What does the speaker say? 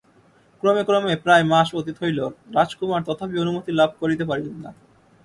ক্রমে ক্রমে প্রায় মাস অতীত হইল রাজকুমার তথাপি অনুমতি লাভ করিতে পারিলেন না।